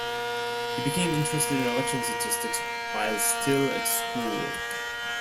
He became interested in election statistics while still at school.